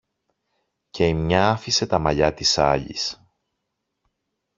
και η μια άφησε τα μαλλιά της άλλης.